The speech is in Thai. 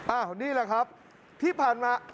อันนี้ล่ะครับที่ผ่านมา